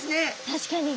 確かに。